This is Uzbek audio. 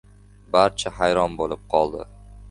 Barcha hayron bo‘lib qoldi.